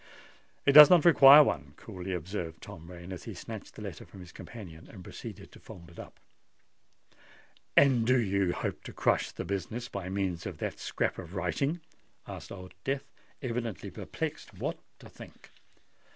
"It does not require one," coolly observed Tom Rain, as he snatched the letter from his companion, and proceeded to fold it up. "And do you hope to crush the business by means of that scrap of writing?" asked Old Death, evidently perplexed what to think.